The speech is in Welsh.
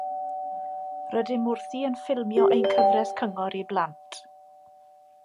Rydym wrthi yn ffilmio ein cyfres cyngor i blant